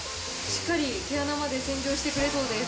しっかり毛穴まで洗浄してくれそうです。